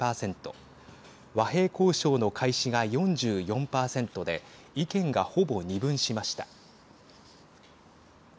和平交渉の開始が４４％で意見がほぼ二分しました。